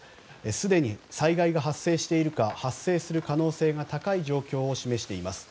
すでに災害が発生しているか発生する可能性が高い状況を示しています。